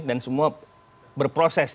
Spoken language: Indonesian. dan semua berproses